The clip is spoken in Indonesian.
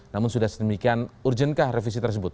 namun sudah sedemikian urgentkah revisi tersebut